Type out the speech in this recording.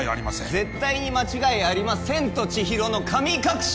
絶対に間違いありませんと千尋の神隠し！